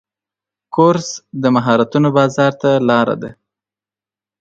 کورس د مهارتونو بازار ته لاره ده.